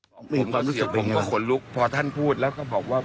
ผมเห็นความรู้สึกผมก็ขนลุกพอท่านพูดแล้วก็บอกว่า